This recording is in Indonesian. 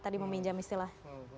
tadi meminjam istilah